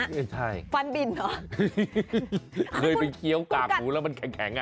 ไม่ใช่ฟันบินเหรอเคยไปเคี้ยวกากหมูแล้วมันแข็งอ่ะ